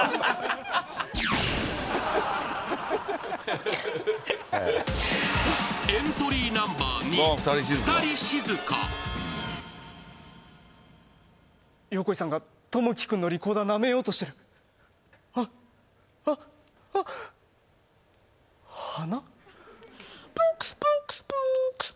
ハハハハええ横井さんがトモキ君のリコーダーなめようとしてるあっあっあっ鼻？